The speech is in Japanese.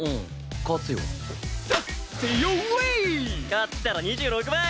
勝ったら２６倍！